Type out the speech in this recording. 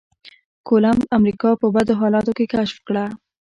کولمب امريکا په بد حالاتو کې کشف کړه.